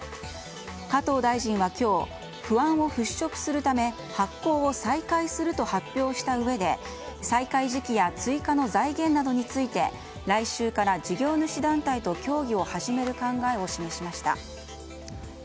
加藤大臣は今日不安を払拭するため発行を再開すると発表したうえで再開時期や追加の財源などについて来週から事業主団体と協議を始める考えを示しました。